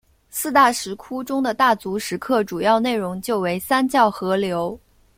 四大石窟中的大足石刻主要内容就为三教合流。